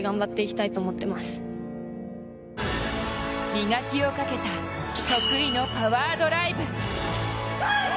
磨きをかけた得意のパワードライブ。